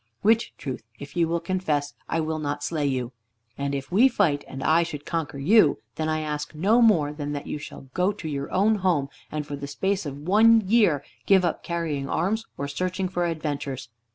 Which truth, if you will confess, I will not slay you. And if we fight, and I should conquer you, then I ask no more than that you shall go to your own home, and for the space of one year give up carrying arms or searching for adventures.